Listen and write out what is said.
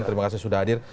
terima kasih sudah hadir